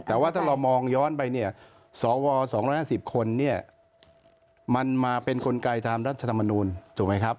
แต่ว่าถ้าเรามองย้อนไปเนี่ยสว๒๕๐คนเนี่ยมันมาเป็นกลไกตามรัฐธรรมนูลถูกไหมครับ